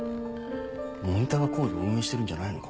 モニターがＣＯＤＥを運営してるんじゃないのか？